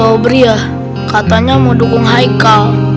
pak dedukum sobrinya katanya mau dukung haikal